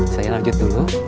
saya lanjut dulu